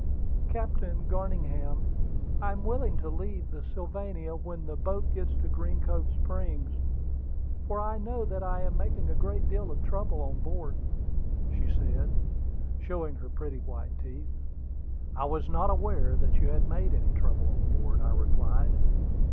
"Captain Garningham, I am willing to leave the Sylvania when the boat gets to Green Cove Springs, for I know that I am making a great deal of trouble on board," said she, showing her pretty white teeth. "I was not aware that you had made any trouble on board," I replied.